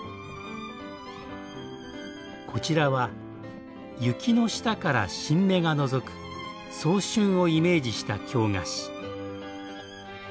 こちらは雪の下から新芽がのぞく早春をイメージした京菓子。